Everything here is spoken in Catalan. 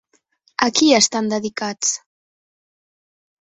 A qui estan dedicats?